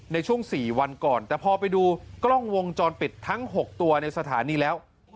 ในช่วง๔วันก่อนแต่พอไปดูกล้องวงจรปิดทั้ง๖ตัวในสถานีแล้ว